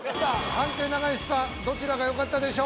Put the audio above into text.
判定中西さんどちらがよかったでしょう？